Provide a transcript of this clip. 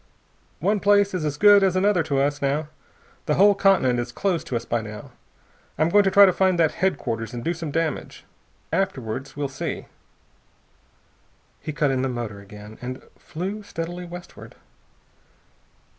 "One place is as good as another to us, now. The whole continent is closed to us by now. I'm going to try to find that headquarters and do some damage. Afterwards, we'll see." He cut in the motor again and flew steadily westward.